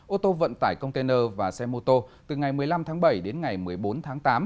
ô tô vận tải container và xe mô tô từ ngày một mươi năm tháng bảy đến ngày một mươi bốn tháng tám